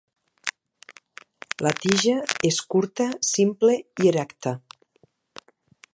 La tija és curta simple i erecta.